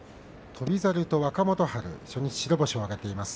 翔猿と若元春初日白星挙げています。